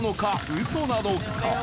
ウソなのか？